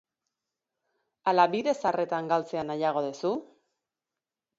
Ala bide zaharretan galtzea nahiago dezu?